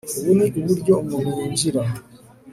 ubu ni uburyo umuntu yinjira